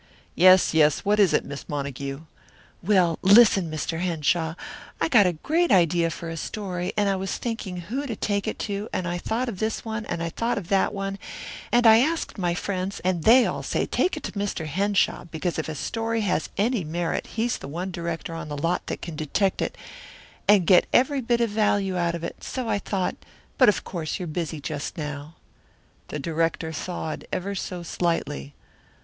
"Yes, yes, what is it, Miss Montague?" "Well, listen, Mr. Henshaw, I got a great idea for a story, and I was thinking who to take it to and I thought of this one and I thought of that one, and I asked my friends, and they all say take it to Mr. Henshaw, because if a story has any merit he's the one director on the lot that can detect it and get every bit of value out of it, so I thought but of course if you're busy just now " The director thawed ever so slightly.